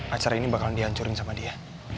acara ini bakal dihancurin sama dia